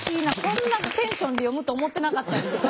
こんなテンションで読むと思ってなかったんで。